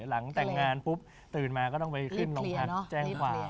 หลังแต่งงานปุ๊บตื่นมาก็ต้องไปขึ้นโรงพักแจ้งความ